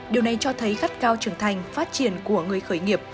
điều này cho thấy gắt cao trưởng thành phát triển của người khởi nghiệp